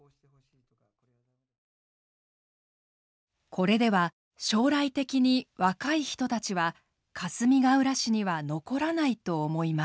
「これでは将来的に若い人たちはかすみがうら市には残らないと思います」。